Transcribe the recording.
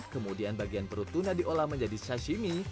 kemudian bagian perut tuna diolah menjadi sashimi